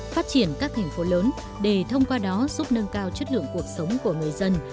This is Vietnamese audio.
phát triển các thành phố lớn để thông qua đó giúp nâng cao chất lượng cuộc sống của người dân